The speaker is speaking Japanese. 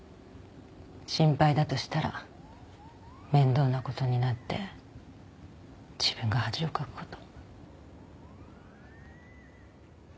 心配だとしたら面倒なことになって自分が恥をかくこと。